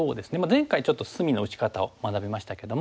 前回ちょっと隅の打ち方を学びましたけども。